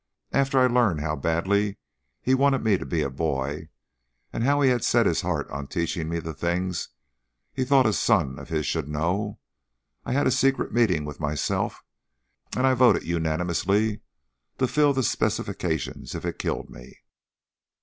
After I learned how badly he wanted me to be a boy, and how he had set his heart on teaching me the things he thought a son of his should know, I had a secret meeting with myself and I voted unanimously to fill the specifications if it killed me.